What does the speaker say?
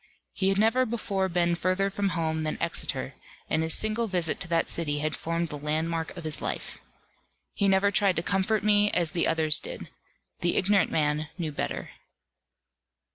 He had never before been further from home than Exeter; and his single visit to that city had formed the landmark of his life. He never tried to comfort me as the others did. The ignorant man knew better.